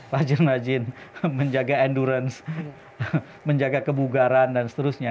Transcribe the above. rajin rajin menjaga endurance menjaga kebugaran dan seterusnya